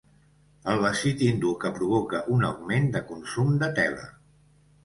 El vestit hindú que provoca un augment de consum de tela.